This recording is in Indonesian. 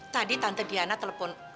tadi tante diana telepon